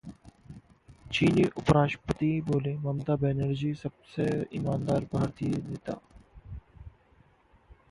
चीनी उपराष्ट्रपति बोले- ममता बनर्जी सबसे ईमानदार भारतीय नेता